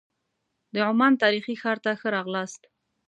د عمان تاریخي ښار ته ښه راغلاست.